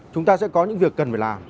chúng ta sẽ có những việc cần phải làm